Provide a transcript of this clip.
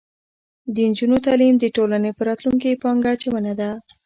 د نجونو تعلیم د ټولنې په راتلونکي پانګه اچونه ده.